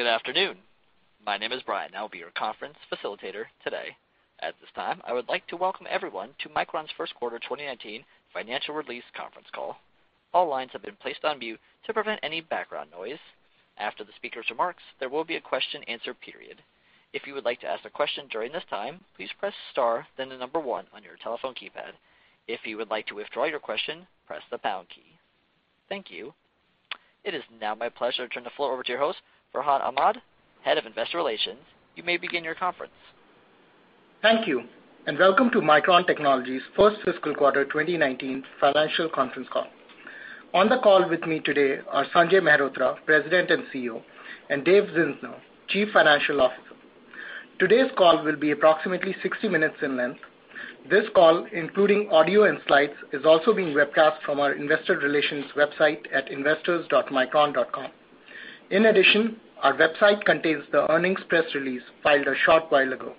Good afternoon. My name is Brian, and I'll be your conference facilitator today. At this time, I would like to welcome everyone to Micron's first quarter 2019 financial release conference call. All lines have been placed on mute to prevent any background noise. After the speaker's remarks, there will be a question and answer period. If you would like to ask a question during this time, please press star, then the number one on your telephone keypad. If you would like to withdraw your question, press the pound key. Thank you. It is now my pleasure to turn the floor over to your host, Farhan Ahmad, Head of Investor Relations. You may begin your conference. Thank you, and welcome to Micron Technology's first fiscal quarter 2019 financial conference call. On the call with me today are Sanjay Mehrotra, President and CEO, and Dave Zinsner, Chief Financial Officer. Today's call will be approximately 60 minutes in length. This call, including audio and slides, is also being webcast from our investor relations website at investors.micron.com. Our website contains the earnings press release filed a short while ago.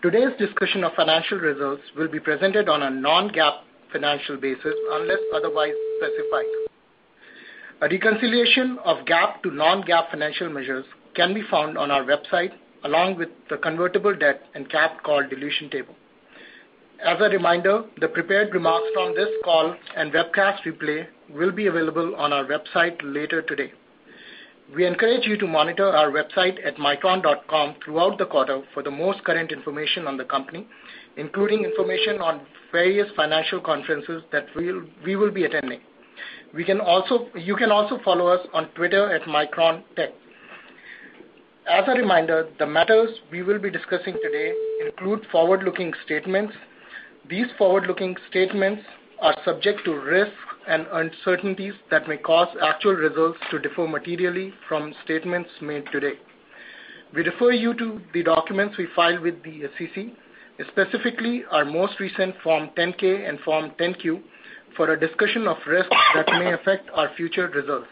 Today's discussion of financial results will be presented on a non-GAAP financial basis unless otherwise specified. A reconciliation of GAAP to non-GAAP financial measures can be found on our website, along with the convertible debt and GAAP call dilution table. The prepared remarks from this call and webcast replay will be available on our website later today. We encourage you to monitor our website at micron.com throughout the quarter for the most current information on the company, including information on various financial conferences that we will be attending. You can also follow us on Twitter at MicronTech. As a reminder, the matters we will be discussing today include forward-looking statements. These forward-looking statements are subject to risks and uncertainties that may cause actual results to differ materially from statements made today. We refer you to the documents we filed with the SEC, specifically our most recent Form 10-K and Form 10-Q, for a discussion of risks that may affect our future results.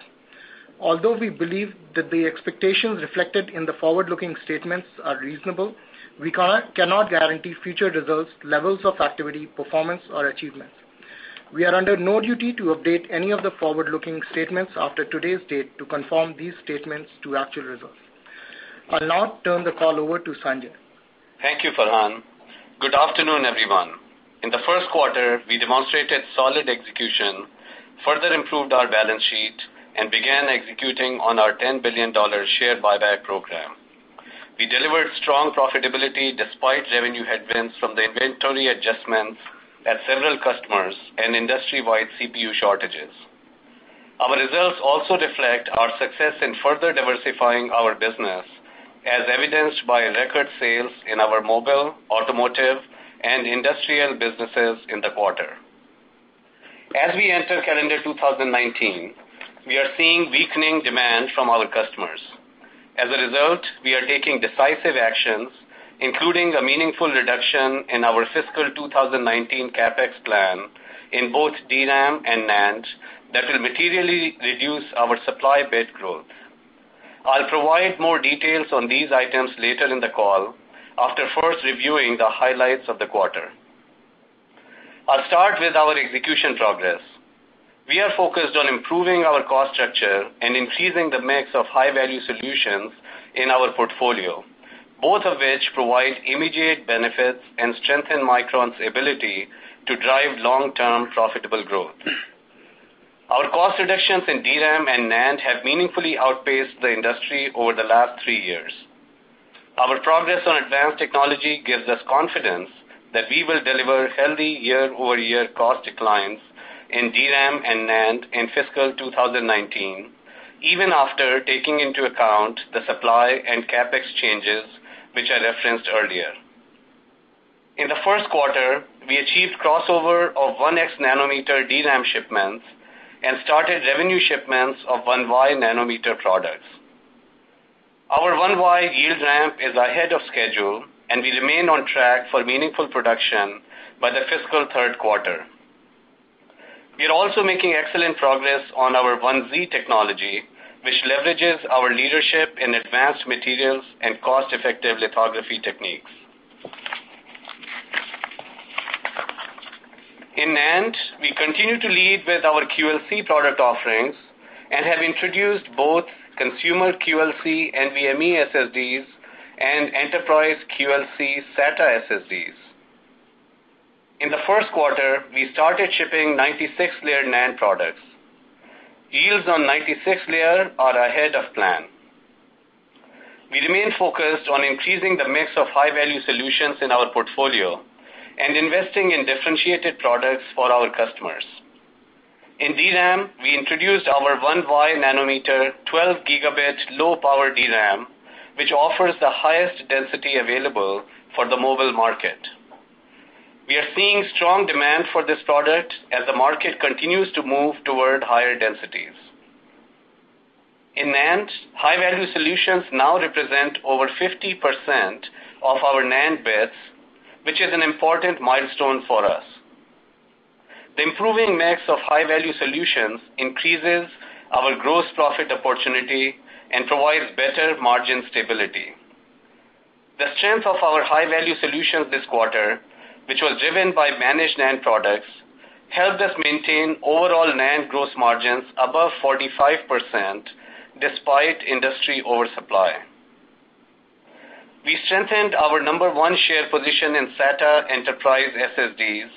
Although we believe that the expectations reflected in the forward-looking statements are reasonable, we cannot guarantee future results, levels of activity, performance, or achievements. We are under no duty to update any of the forward-looking statements after today's date to confirm these statements to actual results. I'll now turn the call over to Sanjay. Thank you, Farhan. Good afternoon, everyone. In the first quarter, we demonstrated solid execution, further improved our balance sheet, and began executing on our $10 billion share buyback program. We delivered strong profitability despite revenue headwinds from the inventory adjustments at several customers and industry-wide CPU shortages. Our results also reflect our success in further diversifying our business, as evidenced by record sales in our mobile, automotive, and industrial businesses in the quarter. As we enter calendar 2019, we are seeing weakening demand from our customers. As a result, we are taking decisive actions, including a meaningful reduction in our fiscal 2019 CapEx plan in both DRAM and NAND that will materially reduce our supply bit growth. I'll provide more details on these items later in the call after first reviewing the highlights of the quarter. I'll start with our execution progress. We are focused on improving our cost structure and increasing the mix of high-value solutions in our portfolio, both of which provide immediate benefits and strengthen Micron's ability to drive long-term profitable growth. Our cost reductions in DRAM and NAND have meaningfully outpaced the industry over the last three years. Our progress on advanced technology gives us confidence that we will deliver healthy YoY cost declines in DRAM and NAND in fiscal 2019, even after taking into account the supply and CapEx changes, which I referenced earlier. In the first quarter, we achieved crossover of 1x-nanometer DRAM shipments and started revenue shipments of 1Y nanometer products. Our 1Y yield ramp is ahead of schedule, and we remain on track for meaningful production by the fiscal third quarter. We are also making excellent progress on our 1Z technology, which leverages our leadership in advanced materials and cost-effective lithography techniques. In NAND, we continue to lead with our QLC product offerings and have introduced both consumer QLC NVMe SSDs and enterprise QLC SATA SSDs. In the first quarter, we started shipping 96-layer NAND products. Yields on 96-layer are ahead of plan. We remain focused on increasing the mix of high-value solutions in our portfolio and investing in differentiated products for our customers. In DRAM, we introduced our 1Y nanometer 12 Gb low-power DRAM, which offers the highest density available for the mobile market. We are seeing strong demand for this product as the market continues to move toward higher densities. In NAND, high-value solutions now represent over 50% of our NAND bits, which is an important milestone for us. The improving mix of high-value solutions increases our gross profit opportunity and provides better margin stability. The strength of our high-value solutions this quarter, which was driven by managed NAND products, helped us maintain overall NAND gross margins above 45%, despite industry oversupply. We strengthened our number one share position in SATA Enterprise SSDs,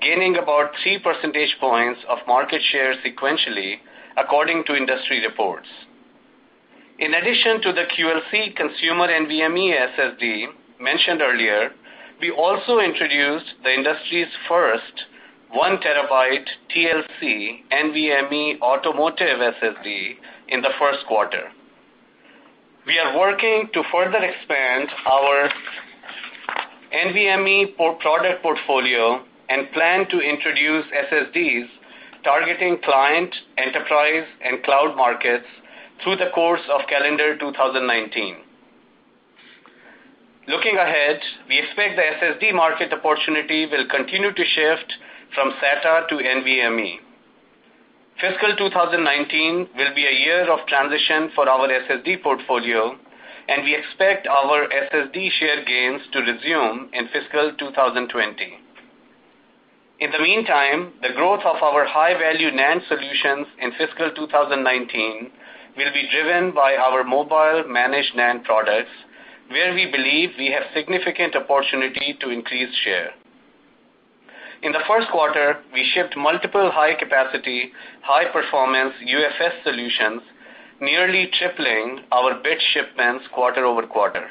gaining about three percentage points of market share sequentially, according to industry reports. In addition to the QLC consumer NVMe SSD mentioned earlier, we also introduced the industry's first 1 TB TLC NVMe automotive SSD in the first quarter. We are working to further expand our NVMe product portfolio and plan to introduce SSDs targeting client, enterprise, and cloud markets through the course of calendar 2019. Looking ahead, we expect the SSD market opportunity will continue to shift from SATA to NVMe. Fiscal 2019 will be a year of transition for our SSD portfolio. We expect our SSD share gains to resume in fiscal 2020. In the meantime, the growth of our high-value NAND solutions in fiscal 2019 will be driven by our mobile managed NAND products, where we believe we have significant opportunity to increase share. In the first quarter, we shipped multiple high-capacity, high-performance UFS solutions, nearly tripling our bit shipments QoQ.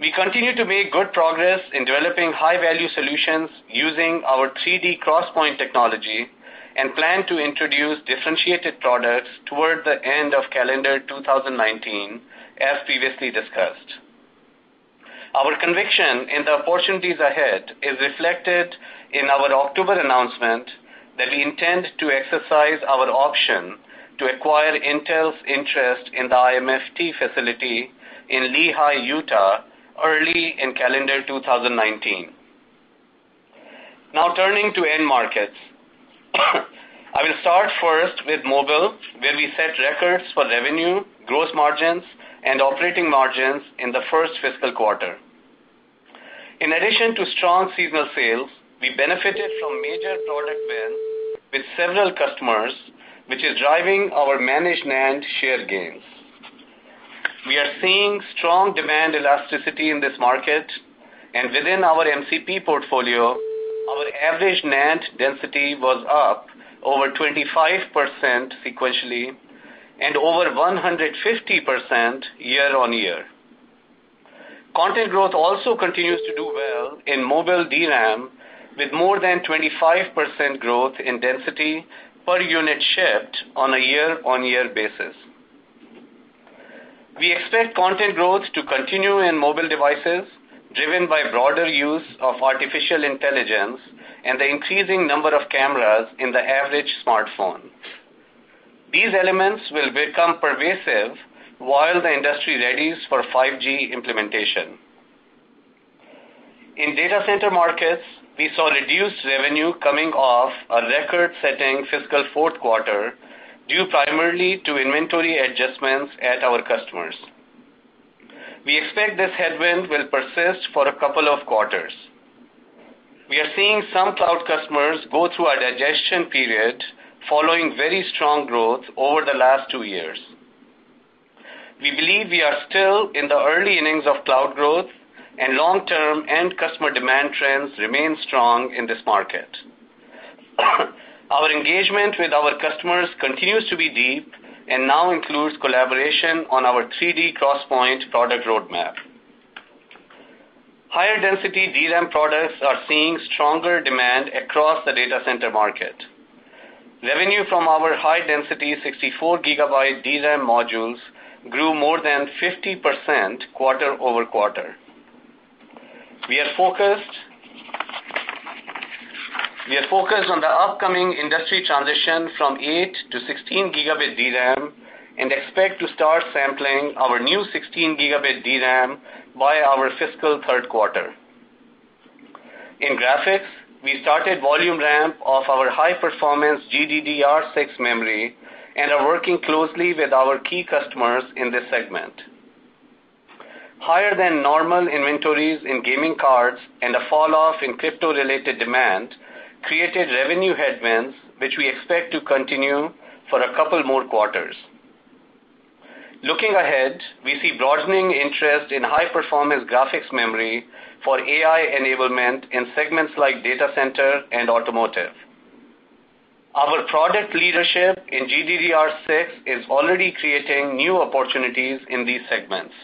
We continue to make good progress in developing high-value solutions using our 3D XPoint technology and plan to introduce differentiated products toward the end of calendar 2019, as previously discussed. Our conviction in the opportunities ahead is reflected in our October announcement that we intend to exercise our option to acquire Intel's interest in the IMFT facility in Lehi, Utah, early in calendar 2019. Turning to end markets. I will start first with mobile, where we set records for revenue, gross margins, and operating margins in the first fiscal quarter. In addition to strong seasonal sales, we benefited from major product wins with several customers, which is driving our managed NAND share gains. We are seeing strong demand elasticity in this market. Within our MCP portfolio, our average NAND density was up over 25% sequentially and over 150% year-on-year. Content growth also continues to do well in mobile DRAM, with more than 25% growth in density per unit shipped on a year-on-year basis. We expect content growth to continue in mobile devices, driven by broader use of artificial intelligence and the increasing number of cameras in the average smartphone. These elements will become pervasive while the industry readies for 5G implementation. In data center markets, we saw reduced revenue coming off a record-setting fiscal fourth quarter, due primarily to inventory adjustments at our customers. We expect this headwind will persist for a couple of quarters. We are seeing some cloud customers go through a digestion period following very strong growth over the last two years. We believe we are still in the early innings of cloud growth and long-term end customer demand trends remain strong in this market. Our engagement with our customers continues to be deep and now includes collaboration on our 3D XPoint product roadmap. Higher density DRAM products are seeing stronger demand across the data center market. Revenue from our high-density 64GB DRAM modules grew more than 50% QoQ. We are focused on the upcoming industry transition from 8GB to 16GB DRAM and expect to start sampling our new 16GB DRAM by our fiscal third quarter. In graphics, we started volume ramp of our high-performance GDDR6 memory and are working closely with our key customers in this segment. Higher than normal inventories in gaming cards and a fall off in crypto-related demand created revenue headwinds, which we expect to continue for a couple more quarters. Looking ahead, we see broadening interest in high-performance graphics memory for AI enablement in segments like data center and automotive. Our product leadership in GDDR6 is already creating new opportunities in these segments.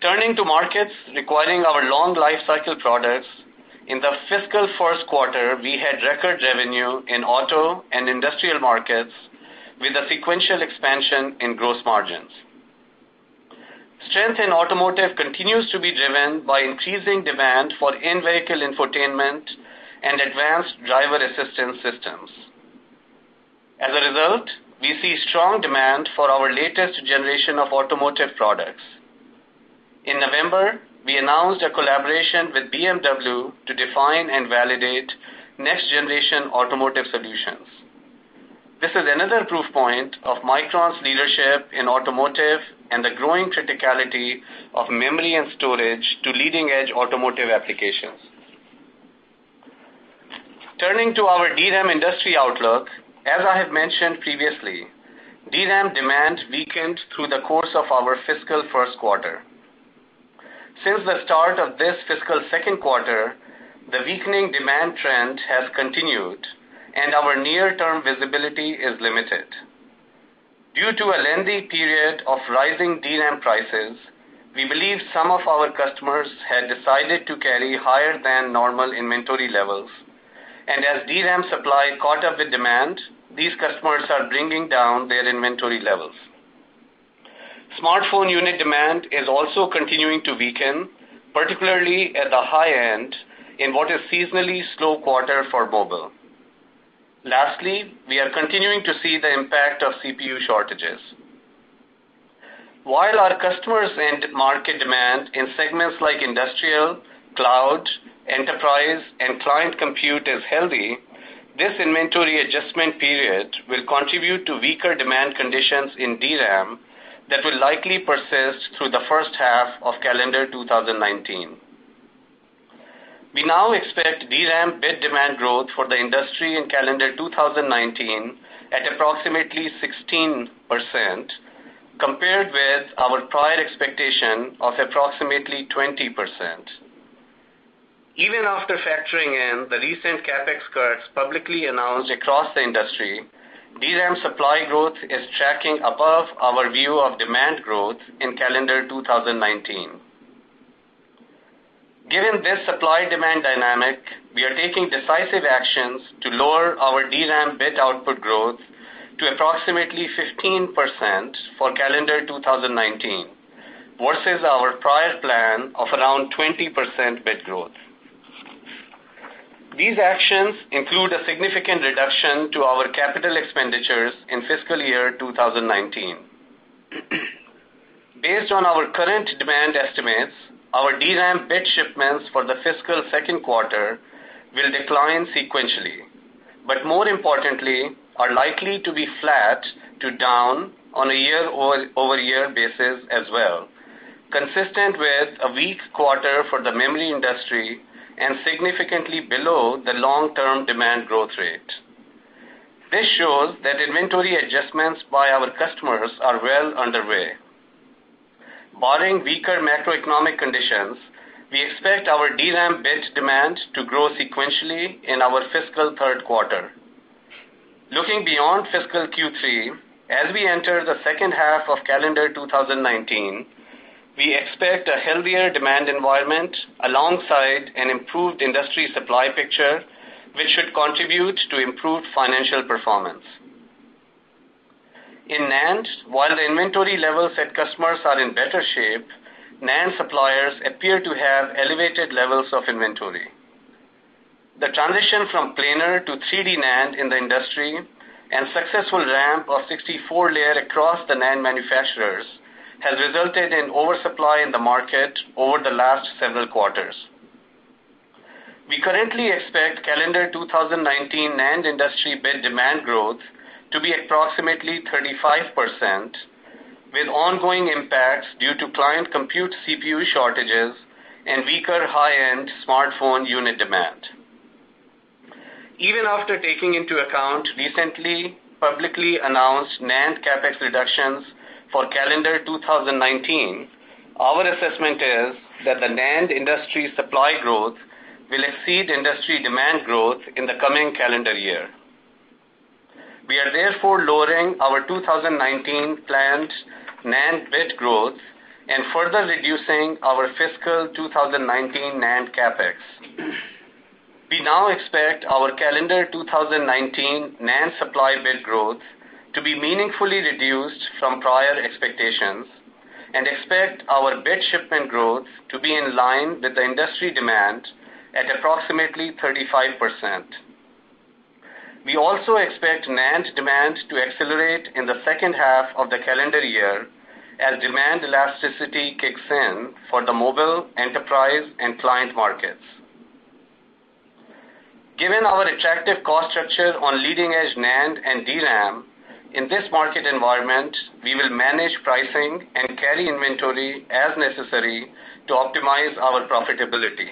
Turning to markets requiring our long lifecycle products, in the fiscal first quarter, we had record revenue in auto and industrial markets with a sequential expansion in gross margins. Strength in automotive continues to be driven by increasing demand for in-vehicle infotainment and advanced driver-assistance systems. As a result, we see strong demand for our latest generation of automotive products. In November, we announced a collaboration with BMW to define and validate next-generation automotive solutions. This is another proof point of Micron's leadership in automotive and the growing criticality of memory and storage to leading-edge automotive applications. Turning to our DRAM industry outlook, as I have mentioned previously, DRAM demand weakened through the course of our fiscal first quarter. Since the start of this fiscal second quarter, the weakening demand trend has continued, and our near-term visibility is limited. Due to a lengthy period of rising DRAM prices, we believe some of our customers had decided to carry higher than normal inventory levels, and as DRAM supply caught up with demand, these customers are bringing down their inventory levels. Smartphone unit demand is also continuing to weaken, particularly at the high end, in what is seasonally slow quarter for mobile. Lastly, we are continuing to see the impact of CPU shortages. While our customers and market demand in segments like industrial, cloud, enterprise, and client compute is healthy, this inventory adjustment period will contribute to weaker demand conditions in DRAM that will likely persist through the first half of calendar 2019. We now expect DRAM bit demand growth for the industry in calendar 2019 at approximately 16%, compared with our prior expectation of approximately 20%. Even after factoring in the recent CapEx cuts publicly announced across the industry, DRAM supply growth is tracking above our view of demand growth in calendar 2019. Given this supply-demand dynamic, we are taking decisive actions to lower our DRAM bit output growth to approximately 15% for calendar 2019, versus our prior plan of around 20% bit growth. These actions include a significant reduction to our capital expenditures in fiscal year 2019. Based on our current demand estimates, our DRAM bit shipments for the fiscal second quarter will decline sequentially, but more importantly, are likely to be flat to down on a YoY basis as well, consistent with a weak quarter for the memory industry and significantly below the long-term demand growth rate. This shows that inventory adjustments by our customers are well underway. Barring weaker macroeconomic conditions, we expect our DRAM bit demand to grow sequentially in our fiscal third quarter. Looking beyond fiscal Q3, as we enter the second half of calendar 2019, we expect a healthier demand environment alongside an improved industry supply picture, which should contribute to improved financial performance. In NAND, while the inventory levels at customers are in better shape, NAND suppliers appear to have elevated levels of inventory. The transition from planar to 3D NAND in the industry and successful ramp of 64-layer across the NAND manufacturers has resulted in oversupply in the market over the last several quarters. We currently expect calendar 2019 NAND industry bit demand growth to be approximately 35%, with ongoing impacts due to client compute CPU shortages and weaker high-end smartphone unit demand. Even after taking into account recently publicly announced NAND CapEx reductions for calendar 2019, our assessment is that the NAND industry supply growth will exceed industry demand growth in the coming calendar year. We are therefore lowering our 2019 planned NAND bit growth and further reducing our fiscal 2019 NAND CapEx. We now expect our calendar 2019 NAND supply bit growth to be meaningfully reduced from prior expectations and expect our bit shipment growth to be in line with the industry demand at approximately 35%. We also expect NAND demand to accelerate in the second half of the calendar year as demand elasticity kicks in for the mobile, enterprise, and client markets. Given our attractive cost structure on leading-edge NAND and DRAM, in this market environment, we will manage pricing and carry inventory as necessary to optimize our profitability.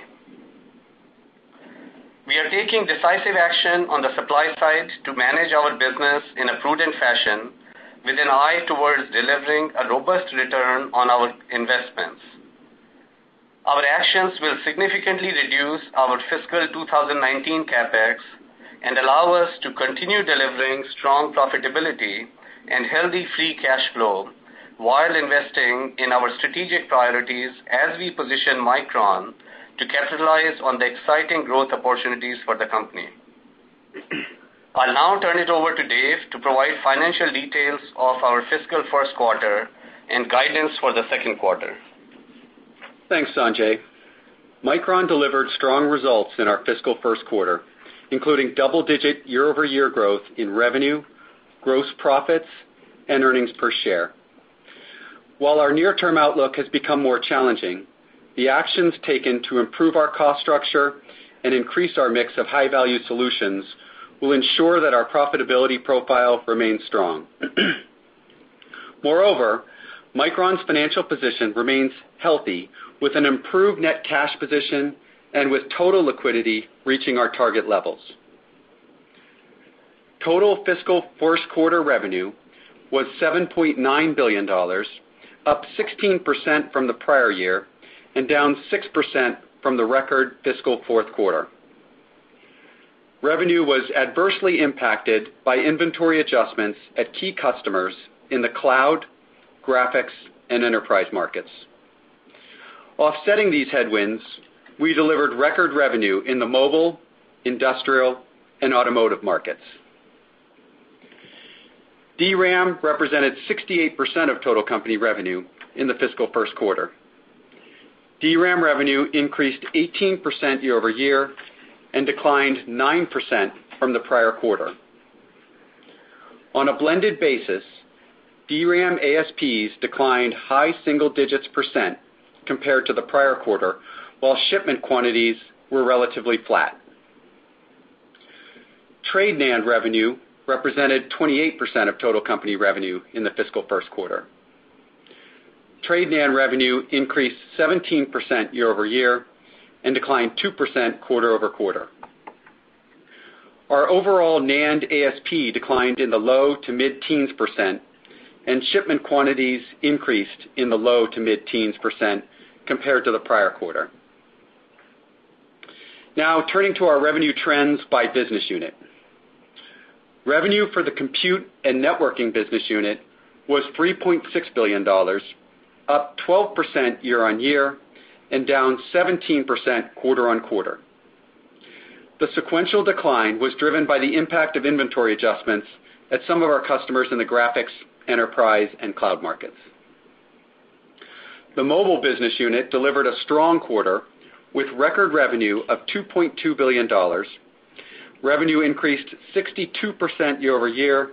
We are taking decisive action on the supply side to manage our business in a prudent fashion with an eye towards delivering a robust return on our investments. Our actions will significantly reduce our fiscal 2019 CapEx and allow us to continue delivering strong profitability and healthy free cash flow while investing in our strategic priorities as we position Micron to capitalize on the exciting growth opportunities for the company. I'll now turn it over to Dave to provide financial details of our fiscal first quarter and guidance for the second quarter. Thanks, Sanjay. Micron delivered strong results in our fiscal first quarter, including double-digit YoY growth in revenue, gross profits, and earnings per share. While our near-term outlook has become more challenging, the actions taken to improve our cost structure and increase our mix of high-value solutions will ensure that our profitability profile remains strong. Moreover, Micron's financial position remains healthy, with an improved net cash position and with total liquidity reaching our target levels. Total fiscal first-quarter revenue was $7.9 billion, up 16% from the prior year and down 6% from the record fiscal fourth quarter. Revenue was adversely impacted by inventory adjustments at key customers in the cloud, graphics, and enterprise markets. Offsetting these headwinds, we delivered record revenue in the mobile, industrial, and automotive markets. DRAM represented 68% of total company revenue in the fiscal first quarter. DRAM revenue increased 18% YoY and declined 9% from the prior quarter. On a blended basis, DRAM ASPs declined high single-digits percent compared to the prior quarter, while shipment quantities were relatively flat. Trade NAND revenue represented 28% of total company revenue in the fiscal first quarter. Trade NAND revenue increased 17% YoY and declined 2% QoQ. Our overall NAND ASP declined in the low to mid-teens percent, and shipment quantities increased in the low to mid-teens percent compared to the prior quarter. Now turning to our revenue trends by business unit. Revenue for the compute and networking business unit was $3.6 billion, up 12% year-on-year and down 17% quarter-on-quarter. The sequential decline was driven by the impact of inventory adjustments at some of our customers in the graphics, enterprise, and cloud markets. The mobile business unit delivered a strong quarter with record revenue of $2.2 billion. Revenue increased 62% YoY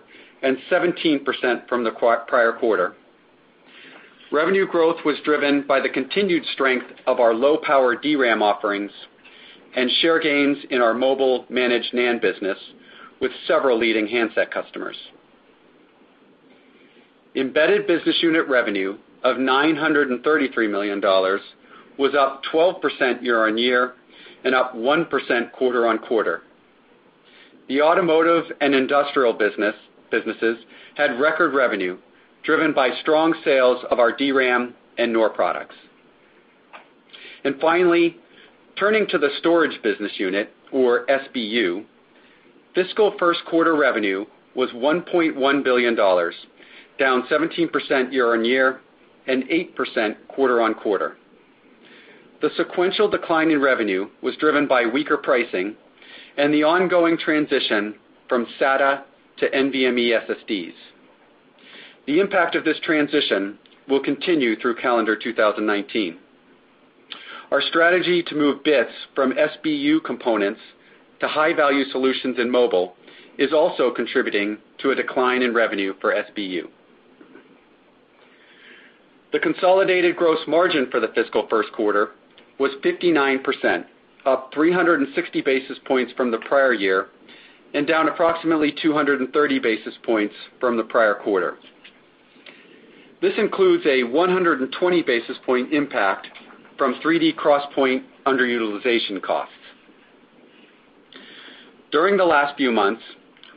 and 17% from the prior quarter. Revenue growth was driven by the continued strength of our low-power DRAM offerings and share gains in our mobile managed NAND business with several leading handset customers. Embedded business unit revenue of $933 million was up 12% year-on-year and up 1% quarter-on-quarter. The automotive and industrial businesses had record revenue driven by strong sales of our DRAM and NOR products. Finally, turning to the storage business unit, or SBU, fiscal first-quarter revenue was $1.1 billion, down 17% year-on-year and 8% quarter-on-quarter. The sequential decline in revenue was driven by weaker pricing and the ongoing transition from SATA to NVMe SSDs. The impact of this transition will continue through calendar 2019. Our strategy to move bits from SBU components to high-value solutions in mobile is also contributing to a decline in revenue for SBU. The consolidated gross margin for the fiscal first quarter was 59%, up 360 basis points from the prior year and down approximately 230 basis points from the prior quarter. This includes a 120 basis point impact from 3D XPoint underutilization costs. During the last few months,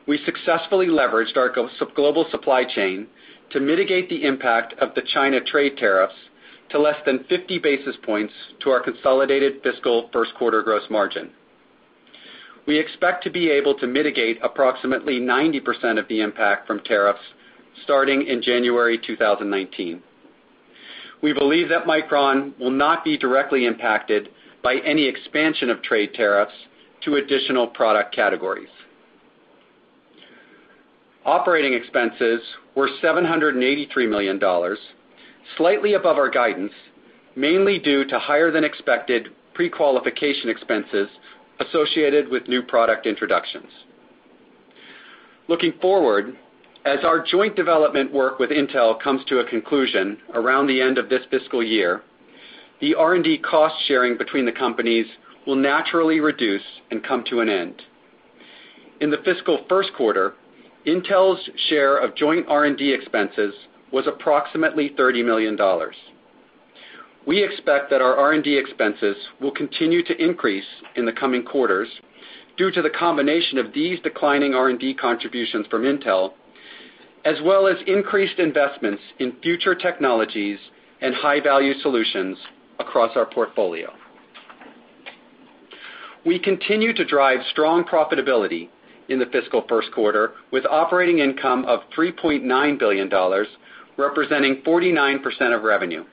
we successfully leveraged our global supply chain to mitigate the impact of the China trade tariffs to less than 50 basis points to our consolidated fiscal first quarter gross margin. We expect to be able to mitigate approximately 90% of the impact from tariffs starting in January 2019. We believe that Micron will not be directly impacted by any expansion of trade tariffs to additional product categories. Operating expenses were $783 million, slightly above our guidance, mainly due to higher-than-expected prequalification expenses associated with new product introductions. Looking forward, as our joint development work with Intel comes to a conclusion around the end of this fiscal year, the R&D cost-sharing between the companies will naturally reduce and come to an end. In the fiscal first quarter, Intel's share of joint R&D expenses was approximately $30 million. We expect that our R&D expenses will continue to increase in the coming quarters due to the combination of these declining R&D contributions from Intel, as well as increased investments in future technologies and high-value solutions across our portfolio. We continue to drive strong profitability in the fiscal first quarter, with operating income of $3.9 billion, representing 49% of revenue.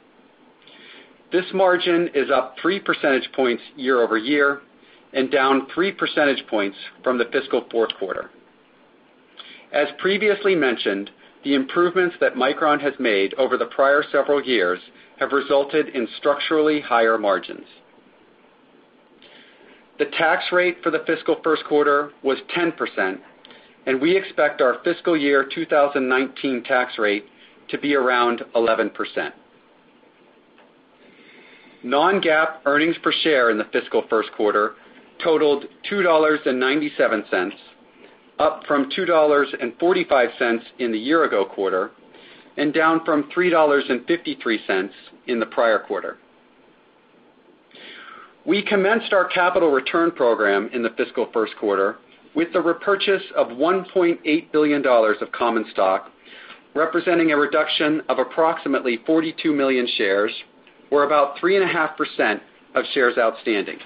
This margin is up 3 percentage points YoY and down 3 percentage points from the fiscal fourth quarter. As previously mentioned, the improvements that Micron has made over the prior several years have resulted in structurally higher margins. The tax rate for the fiscal first quarter was 10%, and we expect our fiscal year 2019 tax rate to be around 11%. Non-GAAP earnings per share in the fiscal first quarter totaled $2.97, up from $2.45 in the year ago quarter, and down from $3.53 in the prior quarter. We commenced our capital return program in the fiscal first quarter with the repurchase of $1.8 billion of common stock, representing a reduction of approximately 42 million shares, or about 3.5% of shares outstanding.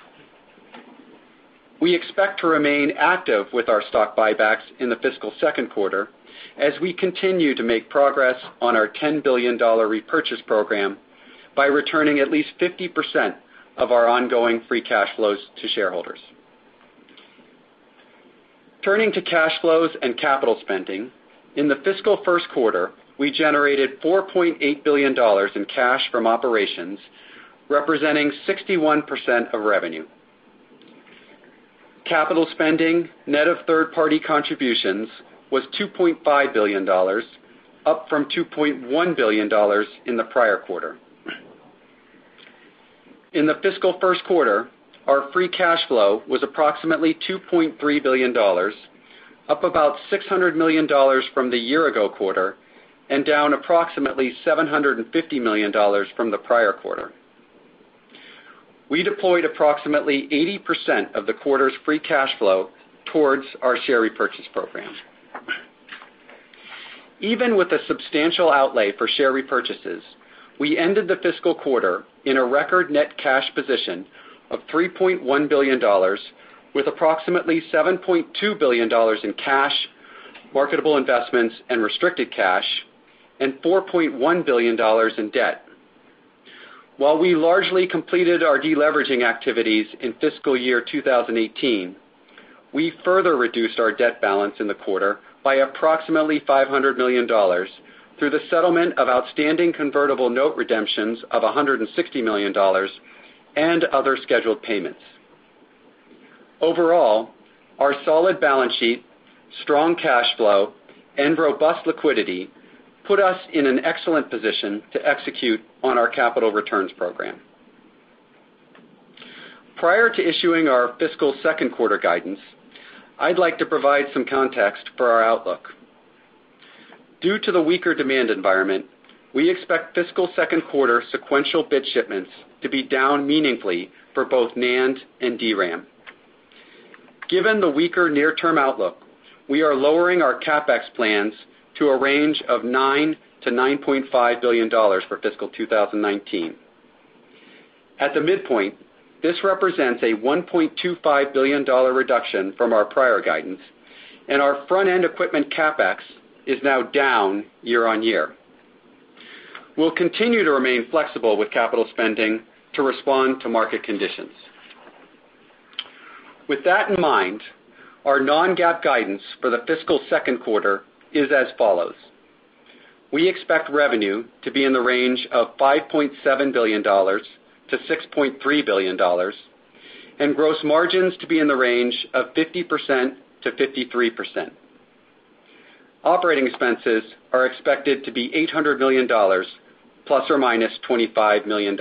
We expect to remain active with our stock buybacks in the fiscal second quarter as we continue to make progress on our $10 billion repurchase program by returning at least 50% of our ongoing free cash flows to shareholders. Turning to cash flows and capital spending, in the fiscal first quarter, we generated $4.8 billion in cash from operations, representing 61% of revenue. Capital spending, net of third-party contributions, was $2.5 billion, up from $2.1 billion in the prior quarter. In the fiscal first quarter, our free cash flow was approximately $2.3 billion, up about $600 million from the year ago quarter, and down approximately $750 million from the prior quarter. We deployed approximately 80% of the quarter's free cash flow towards our share repurchase program. Even with the substantial outlay for share repurchases, we ended the fiscal quarter in a record net cash position of $3.1 billion, with approximately $7.2 billion in cash, marketable investments, and restricted cash, and $4.1 billion in debt. While we largely completed our de-leveraging activities in fiscal year 2018, we further reduced our debt balance in the quarter by approximately $500 million through the settlement of outstanding convertible note redemptions of $160 million and other scheduled payments. Overall, our solid balance sheet, strong cash flow, and robust liquidity put us in an excellent position to execute on our capital returns program. Prior to issuing our fiscal second quarter guidance, I'd like to provide some context for our outlook. Due to the weaker demand environment, we expect fiscal second quarter sequential bit shipments to be down meaningfully for both NAND and DRAM. Given the weaker near-term outlook, we are lowering our CapEx plans to a range of $9 billion-$9.5 billion for fiscal 2019. At the midpoint, this represents a $1.25 billion reduction from our prior guidance, and our front-end equipment CapEx is now down year-on-year. We'll continue to remain flexible with capital spending to respond to market conditions. With that in mind, our non-GAAP guidance for the fiscal second quarter is as follows. We expect revenue to be in the range of $5.7 billion-$6.3 billion and gross margins to be in the range of 50%-53%. Operating expenses are expected to be $800 million ±$25 million.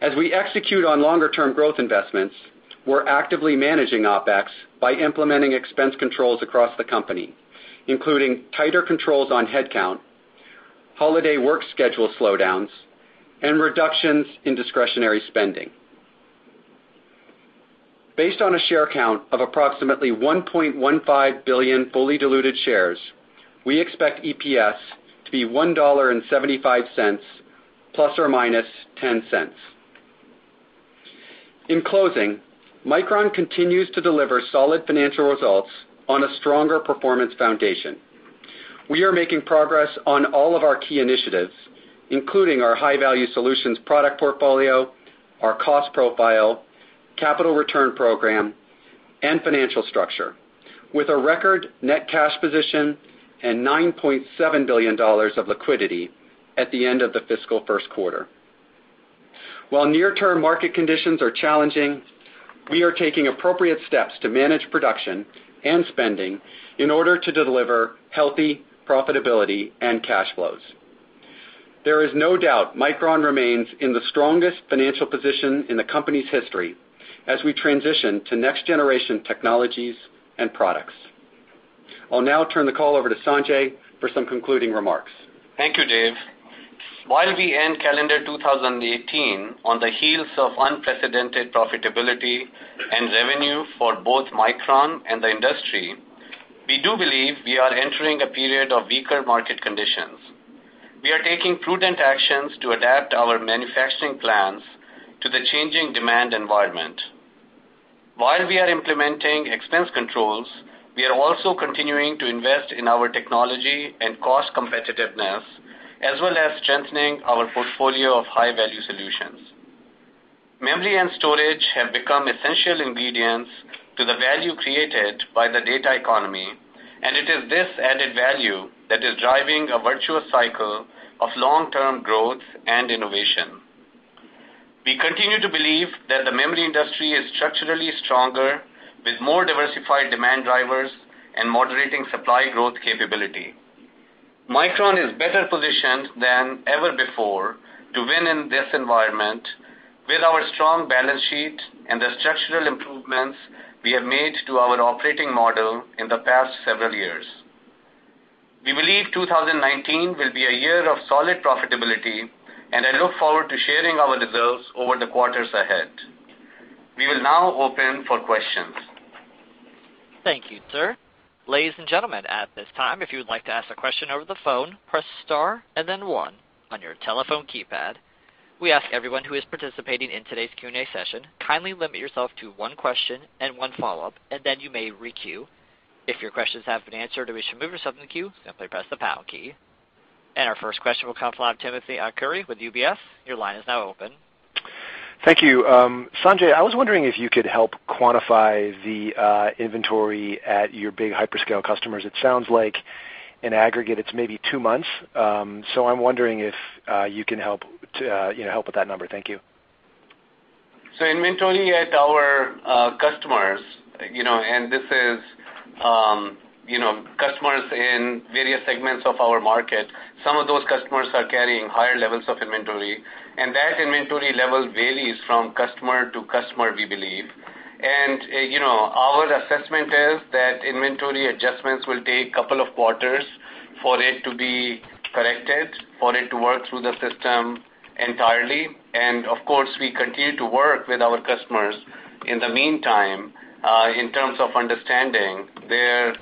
As we execute on longer term growth investments, we're actively managing OpEx by implementing expense controls across the company, including tighter controls on headcount, holiday work schedule slowdowns, and reductions in discretionary spending. Based on a share count of approximately 1.15 billion fully diluted shares, we expect EPS to be $1.75 ±$0.10. In closing, Micron continues to deliver solid financial results on a stronger performance foundation. We are making progress on all of our key initiatives, including our high-value solutions product portfolio, our cost profile, capital return program, and financial structure, with a record net cash position and $9.7 billion of liquidity at the end of the fiscal first quarter. While near-term market conditions are challenging, we are taking appropriate steps to manage production and spending in order to deliver healthy profitability and cash flows. There is no doubt Micron remains in the strongest financial position in the company's history as we transition to next generation technologies and products. I'll now turn the call over to Sanjay for some concluding remarks. Thank you, Dave. While we end calendar 2018 on the heels of unprecedented profitability and revenue for both Micron and the industry, we do believe we are entering a period of weaker market conditions. We are taking prudent actions to adapt our manufacturing plans to the changing demand environment. While we are implementing expense controls, we are also continuing to invest in our technology and cost competitiveness, as well as strengthening our portfolio of high-value solutions. Memory and storage have become essential ingredients to the value created by the data economy. It is this added value that is driving a virtuous cycle of long-term growth and innovation. We continue to believe that the memory industry is structurally stronger with more diversified demand drivers and moderating supply growth capability. Micron is better positioned than ever before to win in this environment with our strong balance sheet and the structural improvements we have made to our operating model in the past several years. We believe 2019 will be a year of solid profitability. I look forward to sharing our results over the quarters ahead. We will now open for questions. Thank you, sir. Ladies and gentlemen, at this time, if you would like to ask a question over the phone, press star and then one on your telephone keypad. We ask everyone who is participating in today's Q&A session, kindly limit yourself to one question and one follow-up, and then you may re-queue. If your questions have been answered or wish to move yourself in the queue, simply press the pound key. Our first question will come from the line of Timothy Arcuri with UBS. Your line is now open. Thank you. Sanjay, I was wondering if you could help quantify the inventory at your big hyperscale customers. It sounds like in aggregate it's maybe two months. I'm wondering if you can help with that number. Thank you. Inventory at our customers, and this is customers in various segments of our market. Some of those customers are carrying higher levels of inventory, and that inventory level varies from customer to customer, we believe. Our assessment is that inventory adjustments will take couple of quarters for it to be corrected, for it to work through the system entirely. Of course, we continue to work with our customers in the meantime, in terms of understanding their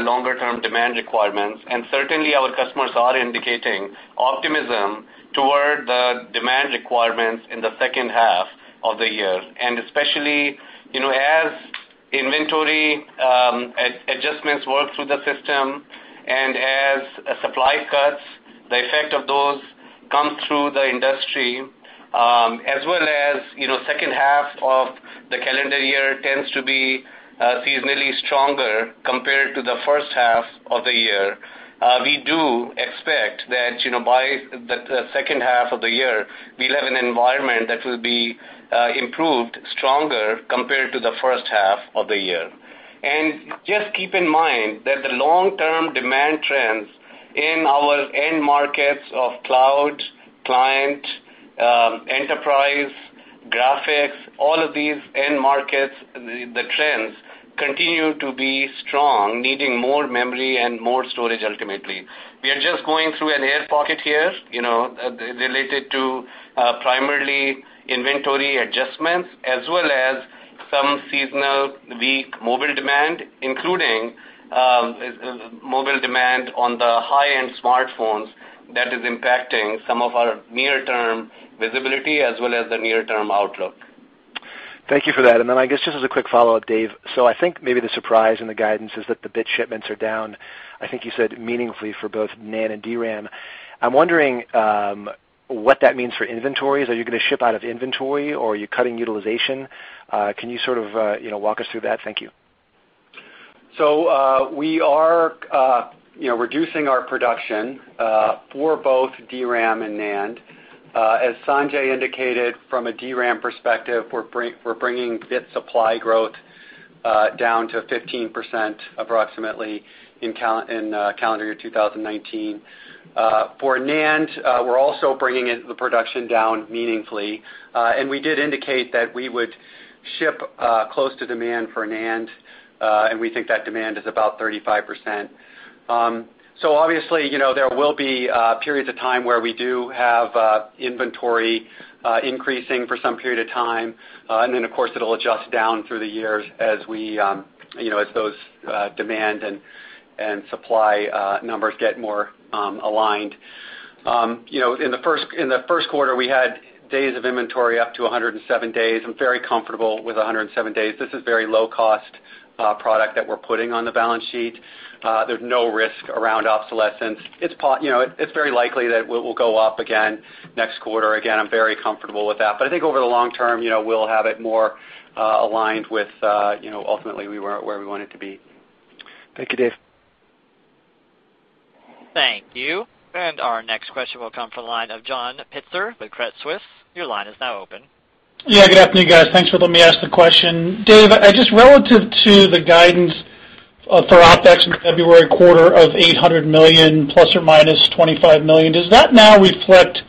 longer-term demand requirements. Certainly, our customers are indicating optimism toward the demand requirements in the second half of the year. Especially, as inventory adjustments work through the system and as supply cuts, the effect of those come through the industry, as well as second half of the calendar year tends to be seasonally stronger compared to the first half of the year. We do expect that by the second half of the year, we'll have an environment that will be improved stronger compared to the first half of the year. Just keep in mind that the long-term demand trends in our end markets of cloud, client, enterprise, graphics, all of these end markets, the trends continue to be strong, needing more memory and more storage ultimately. We are just going through an air pocket here, related to, primarily, inventory adjustments as well as some seasonal weak mobile demand, including mobile demand on the high-end smartphones that is impacting some of our near-term visibility as well as the near-term outlook. Thank you for that. Then I guess just as a quick follow-up, Dave. I think maybe the surprise in the guidance is that the bit shipments are down, I think you said meaningfully for both NAND and DRAM. I'm wondering what that means for inventories. Are you going to ship out of inventory or are you cutting utilization? Can you sort of walk us through that? Thank you. We are reducing our production for both DRAM and NAND. As Sanjay indicated, from a DRAM perspective, we're bringing bit supply growth down to 15% approximately in calendar year 2019. For NAND, we're also bringing the production down meaningfully. We did indicate that we would ship close to demand for NAND, and we think that demand is about 35%. Obviously, there will be periods of time where we do have inventory increasing for some period of time. Then, of course, it'll adjust down through the years as those demand and supply numbers get more aligned. In the first quarter, we had days of inventory up to 107 days. I'm very comfortable with 107 days. This is very low-cost product that we're putting on the balance sheet. There's no risk around obsolescence. It's very likely that we'll go up again next quarter. I'm very comfortable with that. I think over the long term, we'll have it more aligned with, ultimately where we want it to be. Thank you, Dave. Thank you. Our next question will come from the line of John Pitzer with Credit Suisse. Your line is now open. Good afternoon, guys. Thanks for letting me ask the question. Dave, just relative to the guidance for OpEx in the February quarter of $800 million ± $25 million, does that now reflect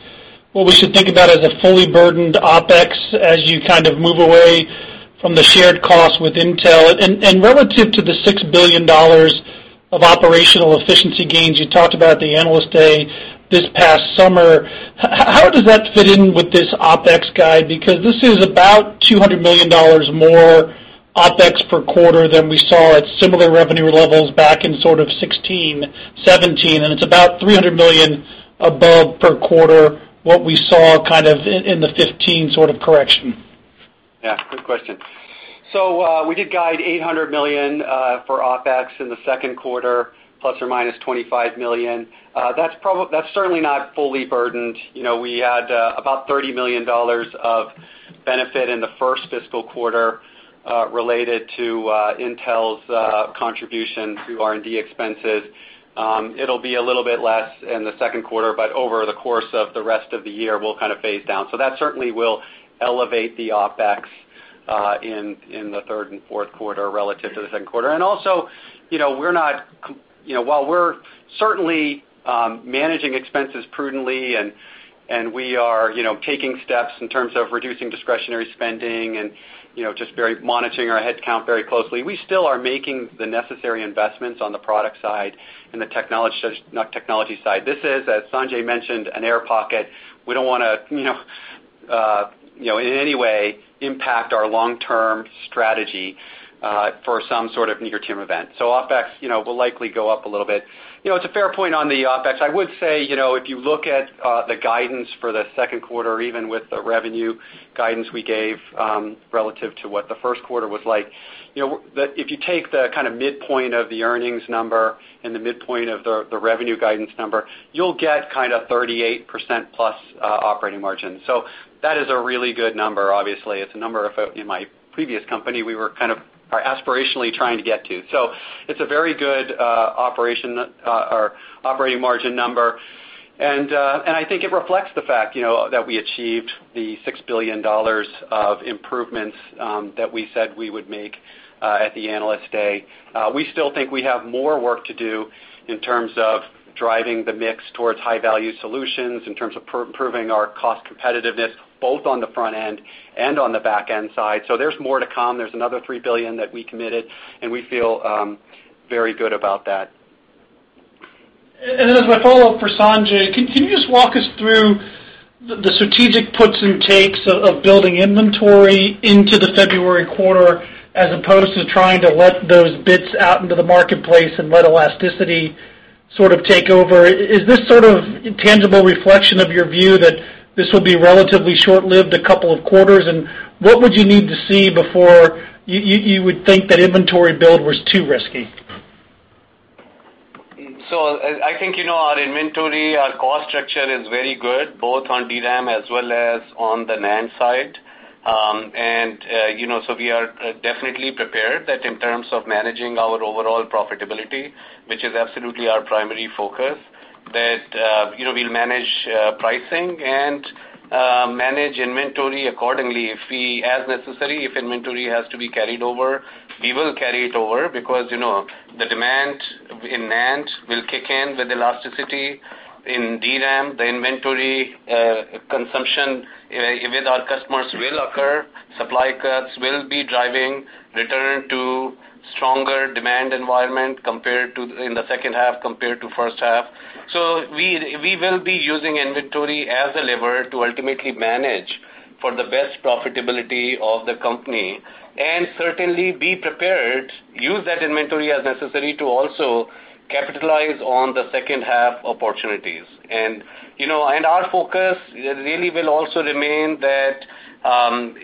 what we should think about as a fully burdened OpEx as you kind of move away from the shared cost with Intel? Relative to the $6 billion of operational efficiency gains you talked about at the Analyst Day this past summer, how does that fit in with this OpEx guide? Because this is about $200 million more OpEx per quarter than we saw at similar revenue levels back in sort of 2016, 2017, and it's about $300 million above per quarter what we saw kind of in the 2015 sort of correction. Yeah, good question. We did guide $800 million for OpEx in the second quarter, ±$25 million. That is certainly not fully burdened. We had about $30 million of benefit in the first fiscal quarter related to Intel's contribution to R&D expenses. It will be a little bit less in the second quarter, but over the course of the rest of the year, we will kind of phase down. That certainly will elevate the OpEx in the third and fourth quarter relative to the second quarter. Also, while we are certainly managing expenses prudently and we are taking steps in terms of reducing discretionary spending and just monitoring our headcount very closely, we still are making the necessary investments on the product side and the technology side. This is, as Sanjay mentioned, an air pocket. We don't want to, in any way, impact our long-term strategy for some sort of near-term event. OpEx will likely go up a little bit. It is a fair point on the OpEx. I would say, if you look at the guidance for the second quarter, even with the revenue guidance we gave, relative to what the first quarter was like, if you take the midpoint of the earnings number and the midpoint of the revenue guidance number, you will get 38%+ operating margin. That is a really good number, obviously. It is a number, in my previous company, we were kind of aspirationally trying to get to. It is a very good operating margin number, and I think it reflects the fact that we achieved the $6 billion of improvements that we said we would make at the Analyst Day. We still think we have more work to do in terms of driving the mix towards high-value solutions, in terms of improving our cost competitiveness, both on the front end and on the back-end side. There is more to come. There is another $3 billion that we committed, we feel very good about that. Then as my follow-up for Sanjay, can you just walk us through the strategic puts and takes of building inventory into the February quarter as opposed to trying to let those bits out into the marketplace and let elasticity sort of take over? Is this sort of tangible reflection of your view that this will be relatively short-lived a couple of quarters, what would you need to see before you would think that inventory build was too risky? I think, our inventory, our cost structure is very good, both on DRAM as well as on the NAND side. We are definitely prepared that in terms of managing our overall profitability, which is absolutely our primary focus, that we'll manage pricing and manage inventory accordingly. As necessary, if inventory has to be carried over, we will carry it over because the demand in NAND will kick in with elasticity. In DRAM, the inventory consumption with our customers will occur. Supply cuts will be driving return to stronger demand environment in the second half compared to first half. We will be using inventory as a lever to ultimately manage for the best profitability of the company and certainly be prepared, use that inventory as necessary to also capitalize on the second-half opportunities. Our focus really will also remain that,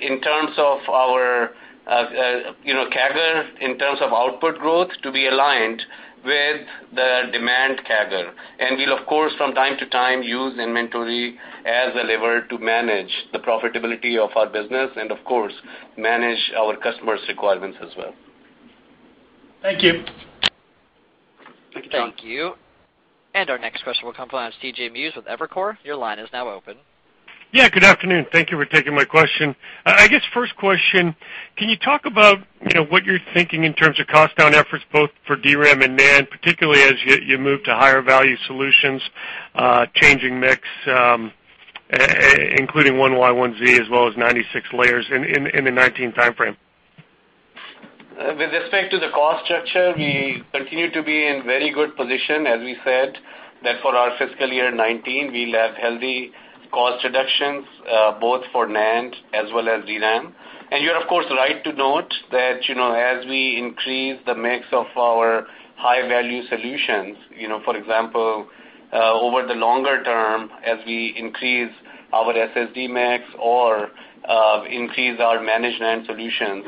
in terms of our CAGR, in terms of output growth, to be aligned with the demand CAGR. We'll, of course, from time to time, use inventory as a lever to manage the profitability of our business and, of course, manage our customers' requirements as well. Thank you. Thank you, John. Thank you. Our next question will come from CJ Muse with Evercore. Your line is now open. Yeah, good afternoon. Thank you for taking my question. I guess first question, can you talk about what you're thinking in terms of cost down efforts both for DRAM and NAND, particularly as you move to higher value solutions, changing mix, including 1Y and 1Z as well as 96-layer in the 2019 timeframe? With respect to the cost structure, we continue to be in very good position, as we said, that for our fiscal year 2019, we have healthy cost reductions, both for NAND as well as DRAM. You're, of course, right to note that as we increase the mix of our high-value solutions, for example, over the longer term, as we increase our SSD mix or increase our managed NAND solutions,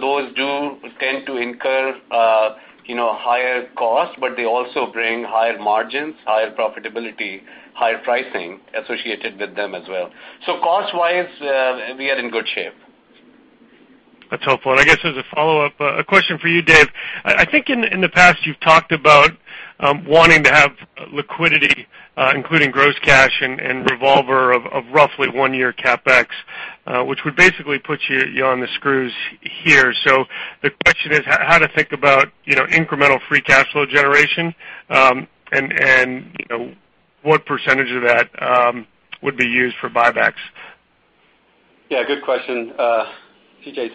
those do tend to incur higher cost, but they also bring higher margins, higher profitability, higher pricing associated with them as well. Cost-wise, we are in good shape. That's helpful. I guess as a follow-up, a question for you, Dave. I think in the past you've talked about wanting to have liquidity, including gross cash and revolver of roughly one-year CapEx, which would basically put you on the screws here. The question is how to think about incremental free cash flow generation, and what percentage of that would be used for buybacks? Good question, CJ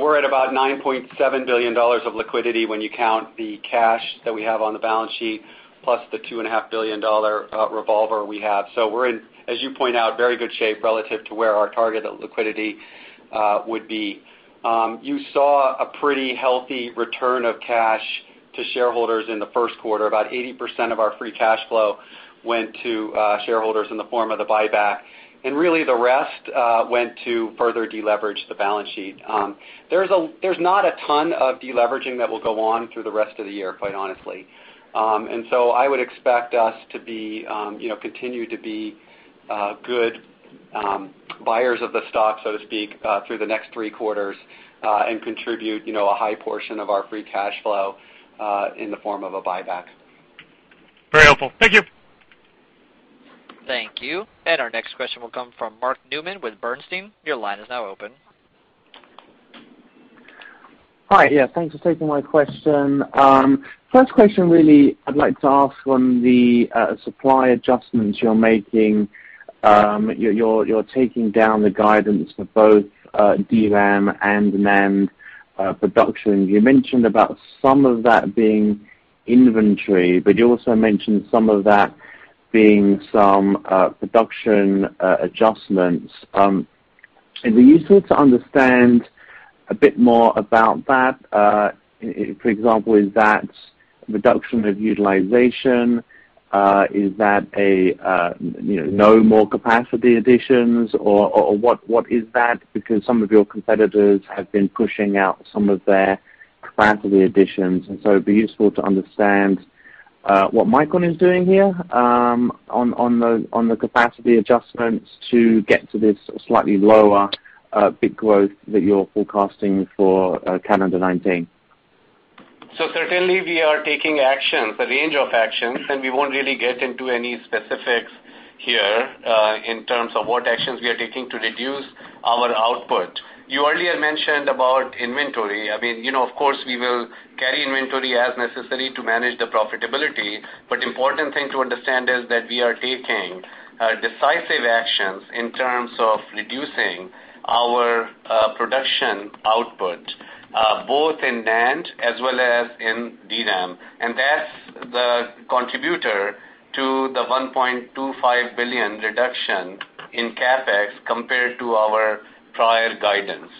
We're at about $9.7 billion of liquidity when you count the cash that we have on the balance sheet, plus the $2.5 billion revolver we have. We're in, as you point out, very good shape relative to where our target liquidity would be. You saw a pretty healthy return of cash to shareholders in the first quarter. About 80% of our free cash flow went to shareholders in the form of the buyback. Really the rest went to further deleverage the balance sheet. There's not a ton of deleveraging that will go on through the rest of the year, quite honestly. I would expect us to continue to be good buyers of the stock, so to speak, through the next three quarters, and contribute a high portion of our free cash flow, in the form of a buyback. Very helpful. Thank you. Thank you. Our next question will come from Mark Newman with Bernstein. Your line is now open. Hi. Thanks for taking my question. First question, really, I'd like to ask on the supply adjustments you're making. You're taking down the guidance for both DRAM and NAND production. You mentioned about some of that being inventory, but you also mentioned some of that being some production adjustments. Is it useful to understand a bit more about that? For example, is that reduction of utilization? Is that no more capacity additions, or what is that? Because some of your competitors have been pushing out some of their capacity additions, it would be useful to understand, what Micron is doing here, on the capacity adjustments to get to this slightly lower bit growth that you're forecasting for calendar 2019. Certainly we are taking actions, a range of actions, we won't really get into any specifics here, in terms of what actions we are taking to reduce our output. You earlier mentioned about inventory. Of course, we will carry inventory as necessary to manage the profitability, important thing to understand is that we are taking decisive actions in terms of reducing our production output, both in NAND as well as in DRAM. That's the contributor to the $1.25 billion reduction in CapEx compared to our prior guidance.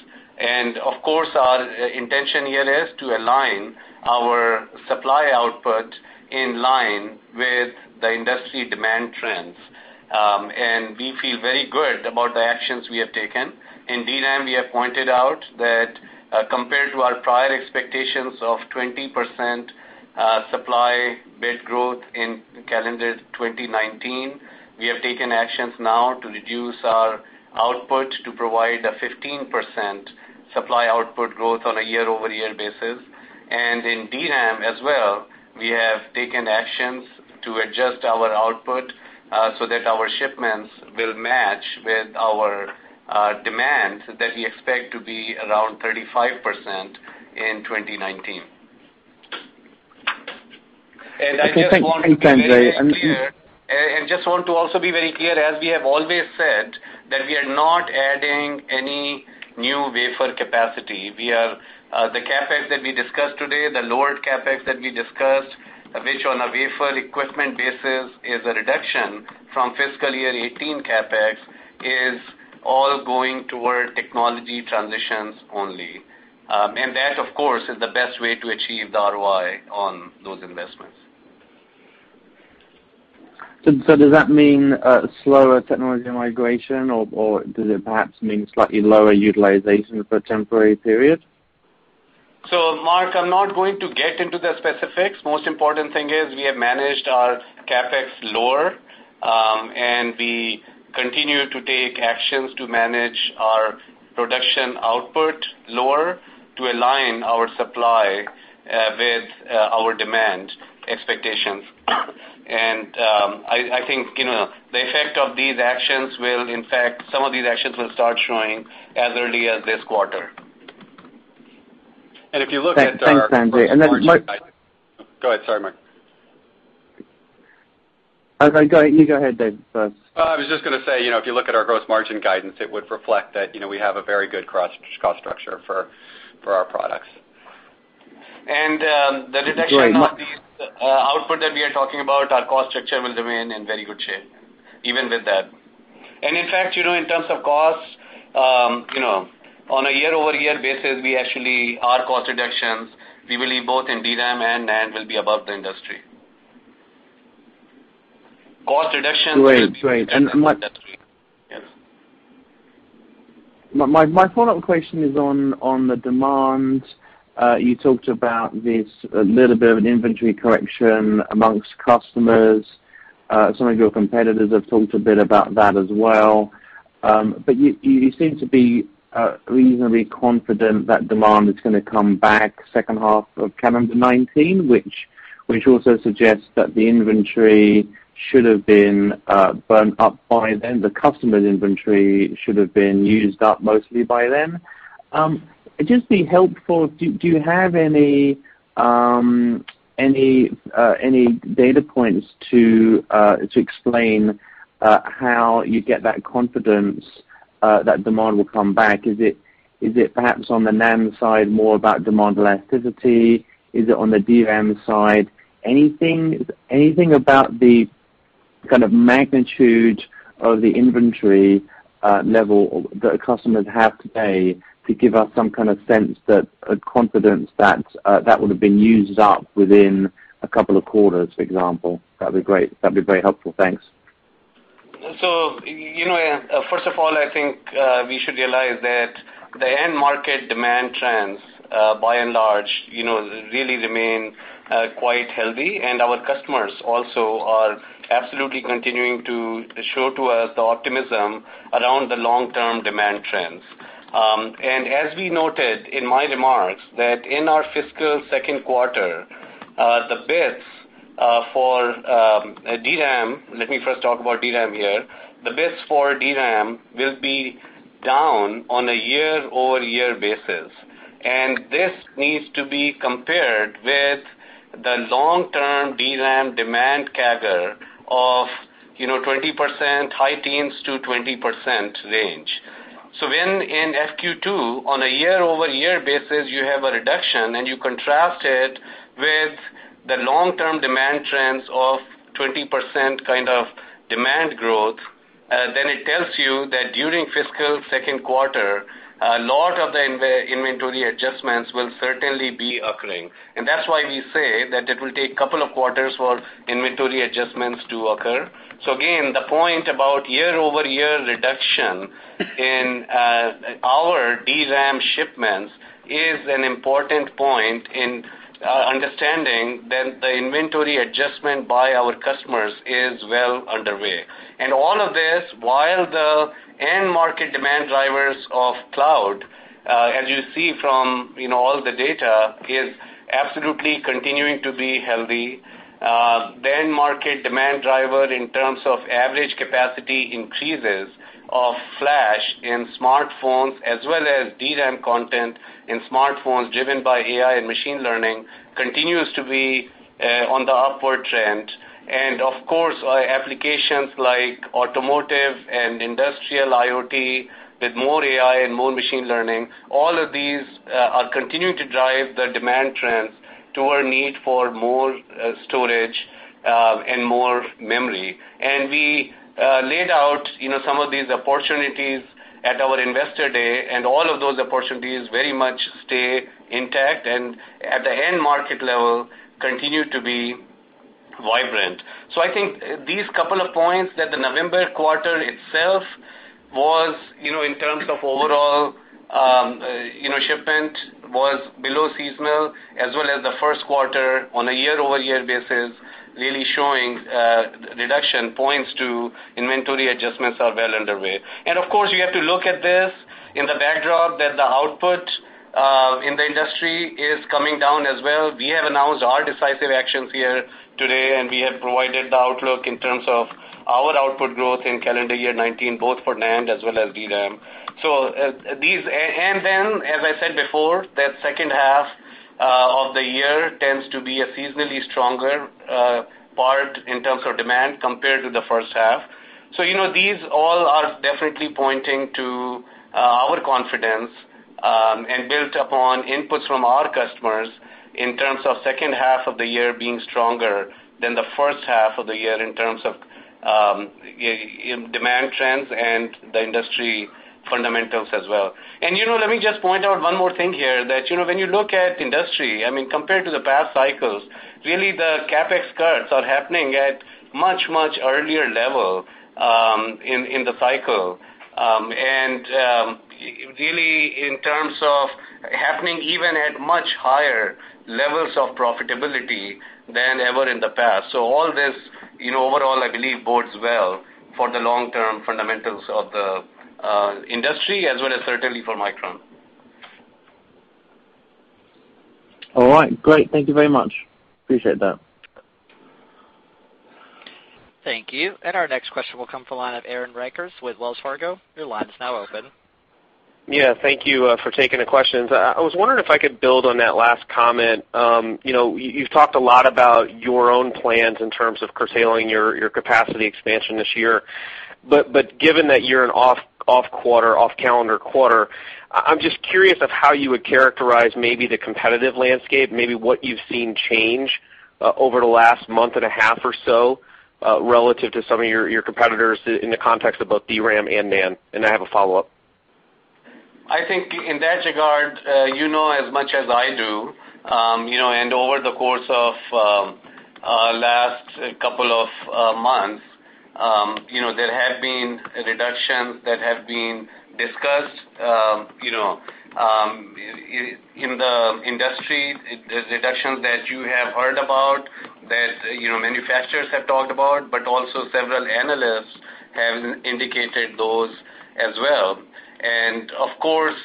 Of course, our intention here is to align our supply output in line with the industry demand trends. We feel very good about the actions we have taken. In DRAM, we have pointed out that, compared to our prior expectations of 20% supply bit growth in calendar 2019, we have taken actions now to reduce our output to provide a 15% supply output growth on a YoY basis. In DRAM as well, we have taken actions to adjust our output, so that our shipments will match with our demand that we expect to be around 35% in 2019. Okay, thanks Sanjay. Just want to also be very clear, as we have always said, that we are not adding any new wafer capacity. The CapEx that we discussed today, the lower CapEx that we discussed, which on a wafer equipment basis is a reduction from fiscal year 2018 CapEx, is all going toward technology transitions only. That, of course, is the best way to achieve the ROI on those investments. Does that mean a slower technology migration, or does it perhaps mean slightly lower utilization for a temporary period? Mark, I'm not going to get into the specifics. Most important thing is we have managed our CapEx lower, and we continue to take actions to manage our production output lower to align our supply with our demand expectations. I think, the effect of these actions will, in fact, some of these actions will start showing as early as this quarter. If you look at our Thanks, Sanjay. Then Mark Go ahead. Sorry, Mark. Okay. You go ahead, Dave, first. I was just going to say, if you look at our gross margin guidance, it would reflect that we have a very good cost structure for our products. The reduction- Great of these output that we are talking about, our cost structure will remain in very good shape, even with that. In fact, in terms of costs, on a YoY basis, our cost reductions, we believe both in DRAM and NAND, will be above the industry. Great. Yes. My follow-up question is on the demand. You talked about this a little bit of an inventory correction amongst customers. Some of your competitors have talked a bit about that as well. You seem to be reasonably confident that demand is going to come back second half of calendar 2019, which also suggests that the inventory should have been burnt up by then, the customer's inventory should have been used up mostly by then. It'd just be helpful, do you have any data points to explain how you get that confidence that demand will come back? Is it perhaps on the NAND side, more about demand elasticity? Is it on the DRAM side? Anything about the kind of magnitude of the inventory-level that customers have today to give us some kind of sense that a confidence that would have been used up within a couple of quarters, for example? That'd be great. That'd be very helpful. Thanks. First of all, I think, we should realize that the end market demand trends, by and large, really remain quite healthy, our customers also are absolutely continuing to show to us the optimism around the long-term demand trends. As we noted in my remarks that in our fiscal second quarter, the bits for DRAM, let me first talk about DRAM here. The bits for DRAM will be down on a YoY basis. This needs to be compared with the long-term DRAM demand CAGR of 20%, high teens to 20% range. When in FQ2, on a YoY basis, you have a reduction and you contrast it with the long-term demand trends of 20% kind of demand growth, it tells you that during fiscal second quarter, a lot of the inventory adjustments will certainly be occurring. That's why we say that it will take a couple of quarters for inventory adjustments to occur. Again, the point about YoY reduction in our DRAM shipments is an important point in understanding that the inventory adjustment by our customers is well underway. All of this, while the end market demand drivers of cloud, as you see from all the data, is absolutely continuing to be healthy. The end market demand driver in terms of average capacity increases of flash in smartphones as well as DRAM content in smartphones driven by AI and machine learning continues to be on the upward trend. Of course, our applications like automotive and industrial IoT with more AI and more machine learning, all of these are continuing to drive the demand trends to our need for more storage, and more memory. We laid out some of these opportunities at our investor day, all of those opportunities very much stay intact, at the end market level, continue to be vibrant. I think these couple of points that the November quarter itself was, in terms of overall, shipment was below seasonal as well as the first quarter on a YoY basis, really showing a reduction points to inventory adjustments are well underway. Of course, you have to look at this in the backdrop that the output in the industry is coming down as well. We have announced our decisive actions here today, we have provided the outlook in terms of our output growth in calendar year 2019, both for NAND as well as DRAM. As I said before, that second half of the year tends to be a seasonally stronger part in terms of demand compared to the first half. These all are definitely pointing to our confidence, built upon inputs from our customers in terms of second half of the year being stronger than the first half of the year in terms of demand trends and the industry fundamentals as well. Let me just point out one more thing here, that when you look at industry, compared to the past cycles, really the CapEx cuts are happening at much, much earlier level in the cycle. Really in terms of happening even at much higher levels of profitability than ever in the past. All this, overall, I believe bodes well for the long-term fundamentals of the industry as well as certainly for Micron. All right. Great. Thank you very much. Appreciate that. Thank you. Our next question will come from the line of Aaron Rakers with Wells Fargo. Your line is now open. Yeah. Thank you for taking the questions. I was wondering if I could build on that last comment. You've talked a lot about your own plans in terms of curtailing your capacity expansion this year. Given that you're an off-quarter, off-calendar quarter, I'm just curious of how you would characterize maybe the competitive landscape, maybe what you've seen change over the last month and a half or so, relative to some of your competitors in the context of both DRAM and NAND. I have a follow-up. I think in that regard, you know as much as I do, and over the course of last couple of months, there have been reductions that have been discussed in the industry, the reductions that you have heard about, that manufacturers have talked about, but also several analysts have indicated those as well. Of course,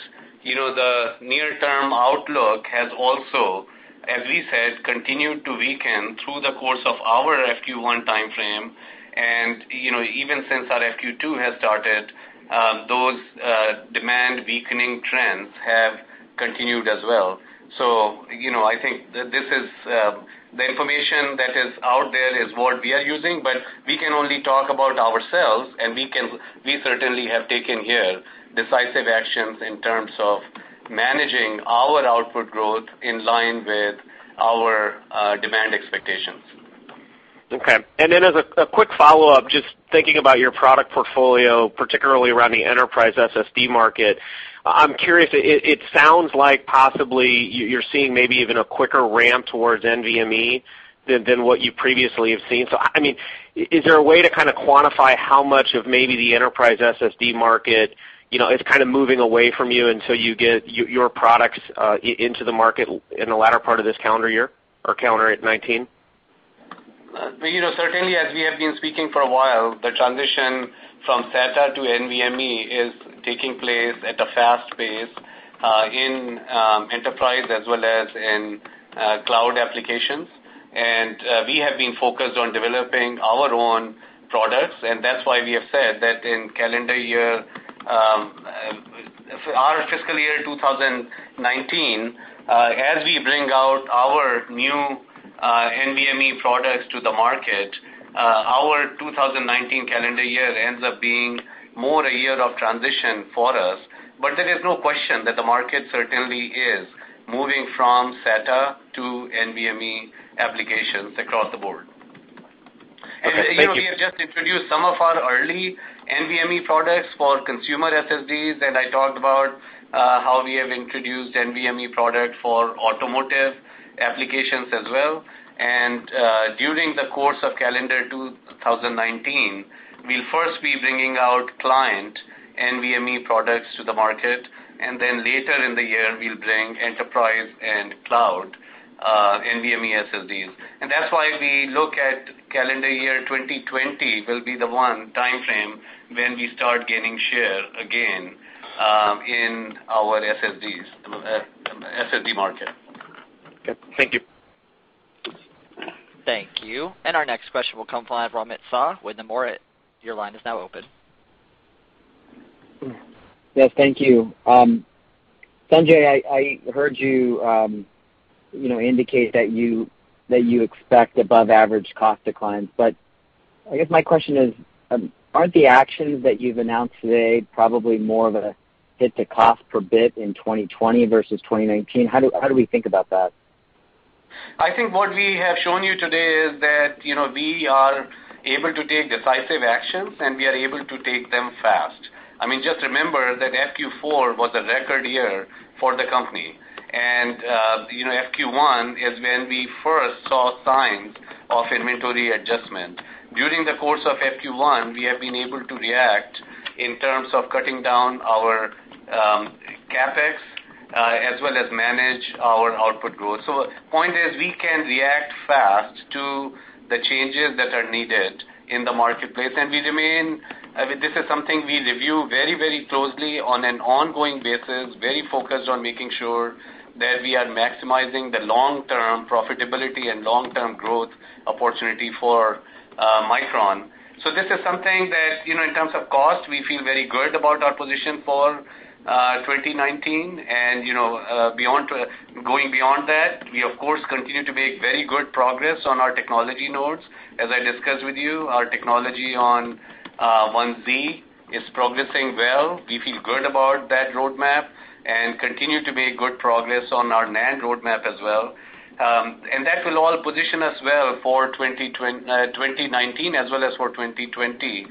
the near-term outlook has also, as we said, continued to weaken through the course of our FQ1 timeframe and even since our FQ2 has started, those demand weakening trends have continued as well. I think this is the information that is out there is what we are using, but we can only talk about ourselves, and we certainly have taken here decisive actions in terms of managing our output growth in line with our Okay. Then as a quick follow-up, just thinking about your product portfolio, particularly around the enterprise SSD market, I'm curious, it sounds like possibly you're seeing maybe even a quicker ramp towards NVMe than what you previously have seen. Is there a way to kind of quantify how much of maybe the enterprise SSD market is kind of moving away from you until you get your products into the market in the latter part of this calendar year or calendar 2019? Certainly, as we have been speaking for a while, the transition from SATA to NVMe is taking place at a fast pace, in enterprise as well as in cloud applications. We have been focused on developing our own products, and that's why we have said that in our fiscal year 2019, as we bring out our new NVMe products to the market, our 2019 calendar year ends up being more a year of transition for us. There is no question that the market certainly is moving from SATA to NVMe applications across the board. Okay. Thank you. We have just introduced some of our early NVMe products for consumer SSDs, and I talked about how we have introduced NVMe product for automotive applications as well. During the course of calendar 2019, we'll first be bringing out client NVMe products to the market, and then later in the year, we'll bring enterprise and cloud NVMe SSDs. That's why we look at calendar year 2020 will be the one timeframe when we start gaining share again in our SSD market. Okay. Thank you. Thank you. Our next question will come from Amit Daryanani with Nomura. Your line is now open. Yes, thank you. Sanjay, I heard you indicate that you expect above average cost declines, I guess my question is, aren't the actions that you've announced today probably more of a hit to cost per bit in 2020 versus 2019? How do we think about that? I think what we have shown you today is that we are able to take decisive actions, we are able to take them fast. Just remember that FQ4 was a record year for the company. FQ1 is when we first saw signs of inventory adjustment. During the course of FQ1, we have been able to react in terms of cutting down our CapEx, as well as manage our output growth. Point is, we can react fast to the changes that are needed in the marketplace, this is something we review very closely on an ongoing basis, very focused on making sure that we are maximizing the long-term profitability and long-term growth opportunity for Micron. This is something that, in terms of cost, we feel very good about our position for 2019. Going beyond that, we, of course, continue to make very good progress on our technology nodes. As I discussed with you, our technology on 1Z is progressing well. We feel good about that roadmap and continue to make good progress on our NAND roadmap as well. That will all position us well for 2019 as well as for 2020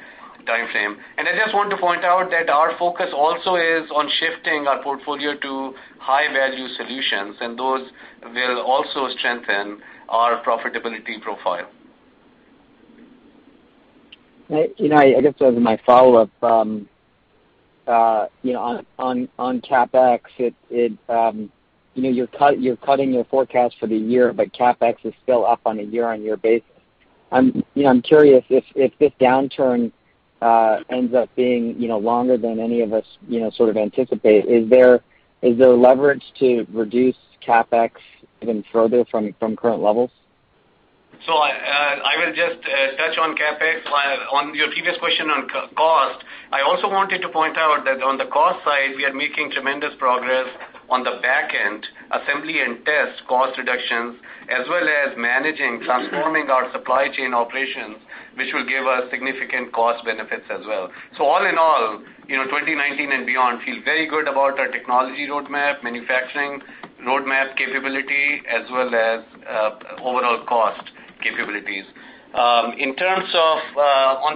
timeframe. I just want to point out that our focus also is on shifting our portfolio to high-value solutions, and those will also strengthen our profitability profile. I guess as my follow-up, on CapEx, you're cutting your forecast for the year, but CapEx is still up on a year-on-year basis. I'm curious if this downturn ends up being longer than any of us sort of anticipate, is there leverage to reduce CapEx even further from current levels? I will just touch on CapEx. On your previous question on cost, I also wanted to point out that on the cost side, we are making tremendous progress on the back end assembly and test cost reductions, as well as managing, transforming our supply chain operations, which will give us significant cost benefits as well. All in all, 2019 and beyond feel very good about our technology roadmap, manufacturing roadmap capability, as well as overall cost capabilities. On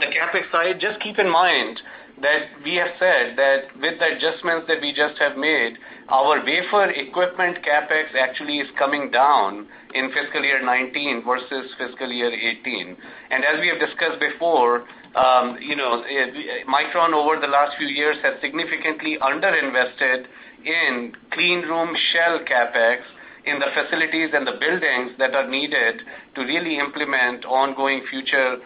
the CapEx side, just keep in mind that we have said that with the adjustments that we just have made, our wafer equipment CapEx actually is coming down in fiscal year 2019 versus fiscal year 2018. As we have discussed before, Micron, over the last few years, has significantly under-invested in clean room shell CapEx in the facilities and the buildings that are needed to really implement ongoing future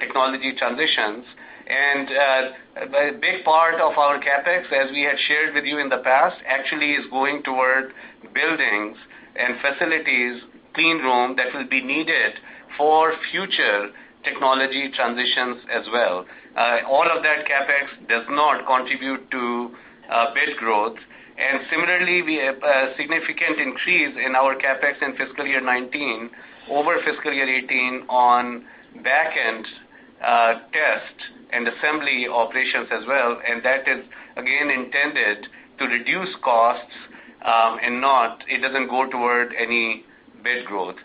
technology transitions. A big part of our CapEx, as we had shared with you in the past, actually is going toward buildings and facilities, clean room, that will be needed for future technology transitions as well. All of that CapEx does not contribute to base growth. Similarly, we have a significant increase in our CapEx in fiscal year 2019 over fiscal year 2018 on back end and assembly operations as well, and that is again intended to reduce costs, and it doesn't go toward any bit growth.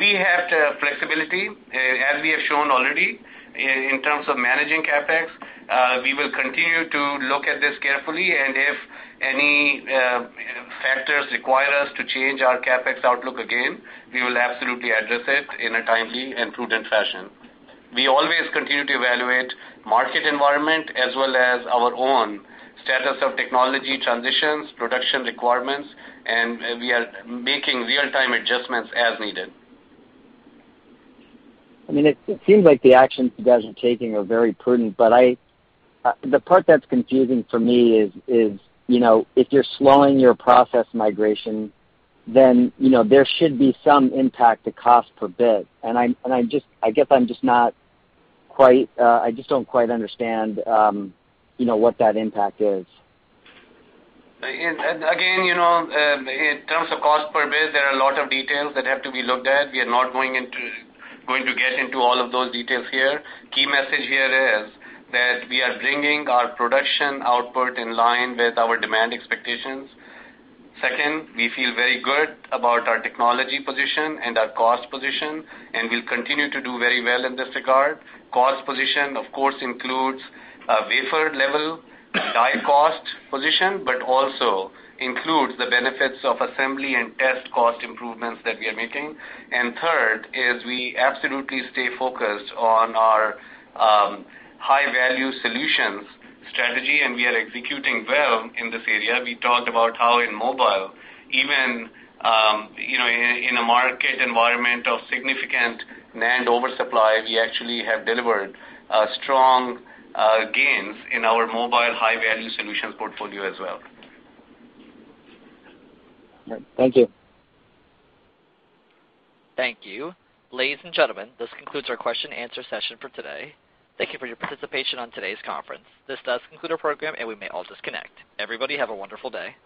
We have the flexibility, as we have shown already, in terms of managing CapEx. We will continue to look at this carefully, and if any factors require us to change our CapEx outlook again, we will absolutely address it in a timely and prudent fashion. We always continue to evaluate market environment as well as our own status of technology transitions, production requirements, and we are making real-time adjustments as needed. It seems like the actions you guys are taking are very prudent, the part that's confusing for me is, if you're slowing your process migration, then there should be some impact to cost per bit. I guess I just don't quite understand what that impact is. Again, in terms of cost per bit, there are a lot of details that have to be looked at. We are not going to get into all of those details here. Key message here is that we are bringing our production output in line with our demand expectations. Second, we feel very good about our technology position and our cost position, we'll continue to do very well in this regard. Cost position, of course, includes a wafer level die cost position, also includes the benefits of assembly and test cost improvements that we are making. Third is we absolutely stay focused on our high-value solutions strategy, we are executing well in this area. We talked about how in mobile, even in a market environment of significant NAND oversupply, we actually have delivered strong gains in our mobile high-value solutions portfolio as well. All right. Thank you. Thank you. Ladies and gentlemen, this concludes our question and answer session for today. Thank you for your participation on today's conference. This does conclude our program, and we may all disconnect. Everybody, have a wonderful day.